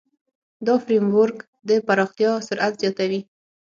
دا فریم ورک د پراختیا سرعت زیاتوي.